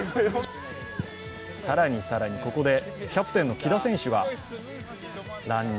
更に、更に、ここでキャプテンの喜田選手が乱入。